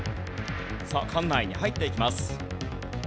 さあ館内に入っていきます。